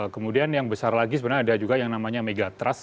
kemudian yang besar lagi sebenarnya ada juga yang namanya megatrust